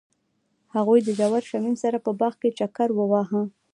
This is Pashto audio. هغوی د ژور شمیم سره په باغ کې چکر وواهه.